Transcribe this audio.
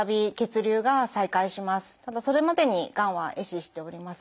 ただそれまでにがんは壊死しております。